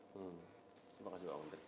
terima kasih pak menteri